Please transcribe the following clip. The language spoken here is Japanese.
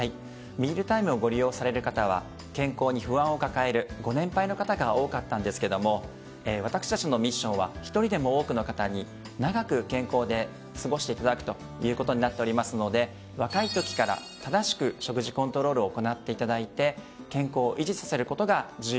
「ミールタイム」をご利用される方は健康に不安を抱えるご年配の方が多かったんですけども私たちのミッションは一人でも多くの方に長く健康で過ごしていただくということになっておりますので若いときから正しく食事コントロールを行っていただいて健康を維持させることが重要となってきます。